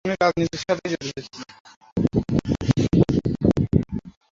মিশুক ছিলেন, তাই সবাই তাকে ভালবাসত।